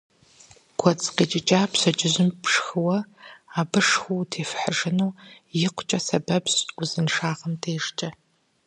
Гуэдз къикӏыкӏа пщэдджыжьым пшхыуэ, абы шху утефыхьыжыну икъукӏэ сэбэпщ узыншагъэм дежкӏэ.